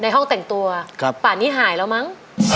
ห้องแต่งตัวป่านนี้หายแล้วมั้ง